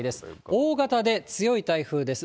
大型で強い台風です。